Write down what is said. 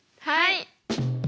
はい。